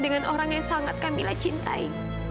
dengan orang yang sangat kamilah cintai